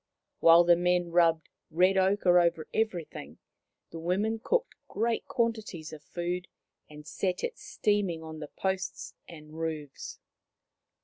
While the men rubbed red ochre over everything, the women cooked great quanti ties of food and set it steaming on the posts and roofs.